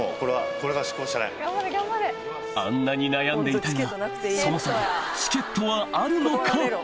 あんなに悩んでいたがそもそもチケットはあるのか？